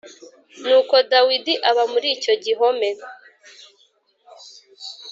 Nuko Dawidi aba muri icyo gihome